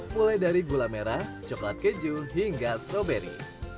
mulai dari gula merah coklat keju hingga stroberi